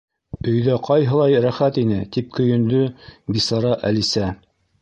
—Өйҙә ҡайһылай рәхәт ине! —тип көйөндө бисара Әлисә.